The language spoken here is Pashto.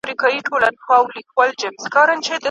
چي پر زړه مي د غمونو غوبل راسي